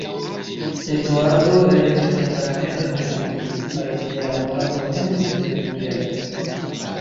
Eduardo restis en la mezo de Anglio, kaj Eleanora komencis veturi al li.